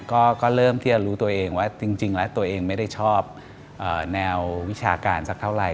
ก็เริ่มที่จะรู้ตัวเองว่าจริงแล้วตัวเองไม่ได้ชอบแนววิชาการสักเท่าไหร่